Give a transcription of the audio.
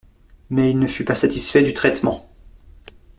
Mais il ne fut pas satisfait du traitement.